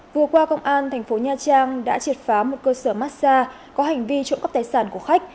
vừa qua công an thành phố nha trang đã triệt phá một cơ sở massage có hành vi trộm cắp tài sản của khách